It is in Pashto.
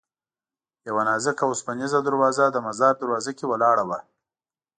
یوه نازکه اوسپنیزه دروازه د مزار دروازه کې ولاړه وه.